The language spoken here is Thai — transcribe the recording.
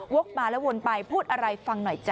กมาแล้ววนไปพูดอะไรฟังหน่อยจ้